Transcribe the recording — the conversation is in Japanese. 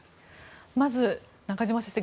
まず、中嶋先生